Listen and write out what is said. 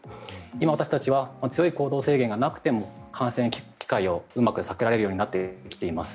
今、私たちは強い行動制限がなくても感染機会をうまく避けられるようになってきています。